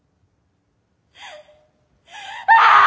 ああ！